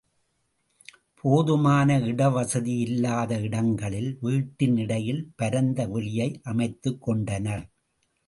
போதுமான இடவசதி இல்லாத இடங்களில் வீட்டின் இடையில் பரந்த வெளியை அமைத்துக் கொண்டனர்.